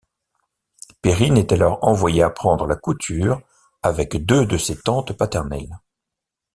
Perrine est alors envoyée apprendre la couture avec deux de ses tantes paternelles.